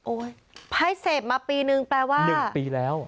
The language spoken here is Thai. ให้เสพมาปีนึงแปลว่า๑ปีแล้ว